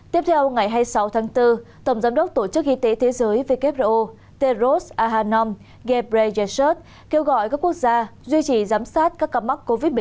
tiếp theo ngày hai mươi sáu tháng bốn tổng giám đốc tổ chức y tế thế giới who teros ahanom ghebreyesach kêu gọi các quốc gia duy trì giám sát các ca mắc covid một mươi chín